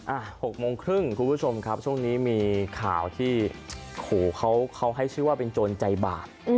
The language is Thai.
๖โมงครึ่งคุณผู้ชมครับช่วงนี้มีข่าวที่โหเขาให้ชื่อว่าเป็นโจรใจบาป